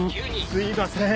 すいません。